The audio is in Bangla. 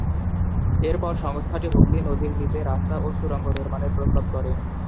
এর পর সংস্থাটি হুগলি নদীর নিচে রাস্তা ও সুড়ঙ্গ নির্মাণের প্রস্তাব করে।